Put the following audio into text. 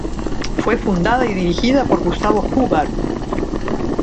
Fue fundada y dirigida por Gustavo Hubbard.